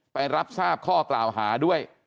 ไปรับทราบข้อกล่าวหาด้วย